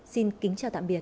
xin kính chào tạm biệt